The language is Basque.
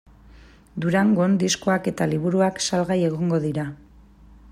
Durangon diskoak eta liburuak salgai egongo dira.